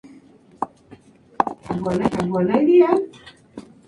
Dicha iglesia fue el primer lugar en el que encendió el gas en Richmond.